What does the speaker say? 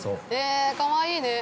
かわいいね。